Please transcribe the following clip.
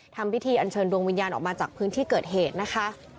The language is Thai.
ทำพิธีอันเชิญดวงวิญญาณออกมาจากพื้นที่เกิดเหตุนะคะ